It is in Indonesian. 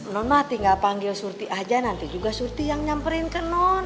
non mati gak panggil surti aja nanti juga surti yang nyamperin ke non